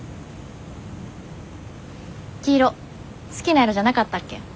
黄色好きな色じゃなかったっけ？